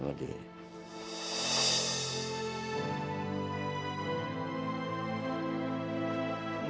mbak be bangun dong